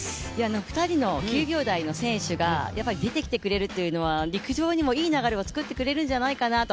２人の９秒台の選手が出てきてくれるっていうのは陸上にもいい流れを作ってくれるんじゃないかなと。